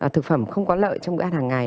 thực phẩm không có lợi trong bữa ăn hàng ngày